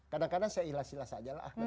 kadang kadang saya ilah silah saja lah